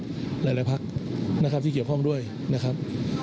หลายพักนะครับที่เกี่ยวข้องด้วยนะครับ